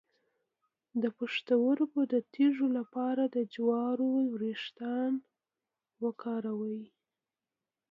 د پښتورګو د تیږې لپاره د جوارو ویښتان وکاروئ